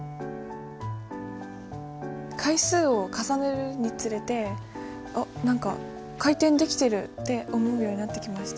回数を重ねるにつれて「あっ何か回転できてる」って思うようになってきました。